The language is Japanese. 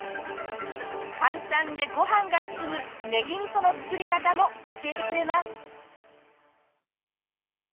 簡単でごはんが進むねぎ味噌の作り方も教えてくれます。